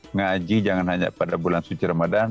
ngaji jangan hanya pada bulan suci ramadan